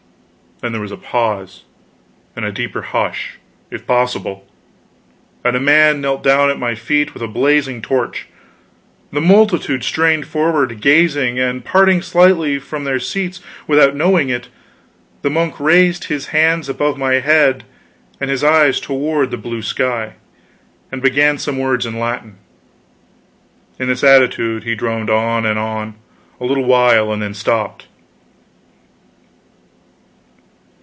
Then there was a pause, and a deeper hush, if possible, and a man knelt down at my feet with a blazing torch; the multitude strained forward, gazing, and parting slightly from their seats without knowing it; the monk raised his hands above my head, and his eyes toward the blue sky, and began some words in Latin; in this attitude he droned on and on, a little while, and then stopped.